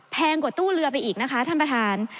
กว่าตู้เรือไปอีกนะคะท่านประธาน